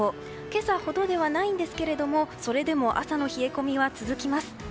今朝ほどではないんですけれどもそれでも朝の冷え込みは続きます。